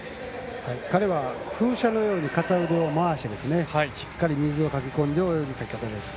彼は風車のように片腕を回してしっかり水をかきこんで泳ぎます。